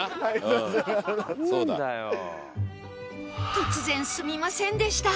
突然すみませんでした